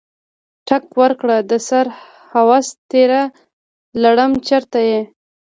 ټک ورکړه دسره هوس تیره لړمه چرته یې؟